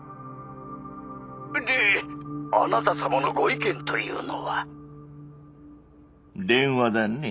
☎であなた様のご意見というのは？電話だね。